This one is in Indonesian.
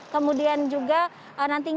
kemudian juga nanti